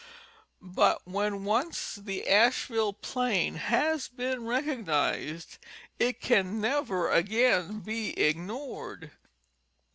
But when once the Asheville plain has been i ecognized, it can never again be ignored.